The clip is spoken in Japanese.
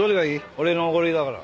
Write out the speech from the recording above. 俺の奢りだから。